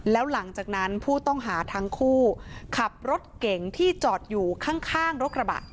แล้วหลังจากนั้นผู้ต้องหาทั้งคู่ขับรถเก่งที่จอดอยู่ข้างรถกระบะ